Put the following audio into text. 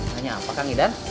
nanya apa kang idan